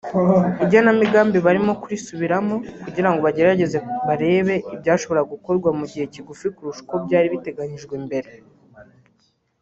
Igenamigmbi barimo kurisubiramo kugira ngo bagerageze barebe ibyashobora gukorwa mu gihe kigufi kurusha uko byari biteganyijwe mbere”